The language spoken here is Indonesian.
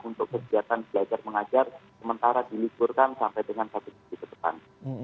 untuk kegiatan belajar mengajar sementara diliburkan sampai dengan satu sisi ke depan